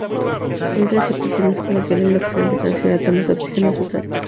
En otra acepción más coloquial, el oxidante transfiere átomos de oxígeno al sustrato.